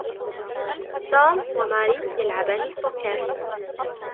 توم و ماري يلعبان البوكير.